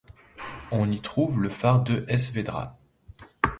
On Y trouve le phare de Es Vedrà.